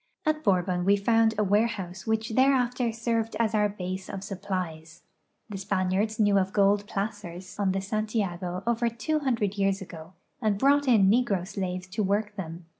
At Borhon we found a warehouse which thereafter served as our base of supplies. The Spaniards knew of gold jdacers on the Santiago over two hundred 3'^ears ago and brought in negro slaves to work them.